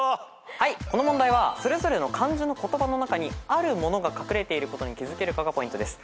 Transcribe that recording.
この問題はそれぞれの漢字の言葉の中にあるものが隠れていることに気付けるかがポイントです。